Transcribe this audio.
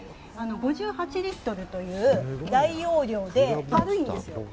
５８リットルという大容量で軽いんです。